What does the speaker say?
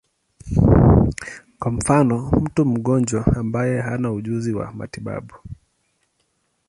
Kwa mfano, mtu mgonjwa ambaye hana ujuzi wa matibabu.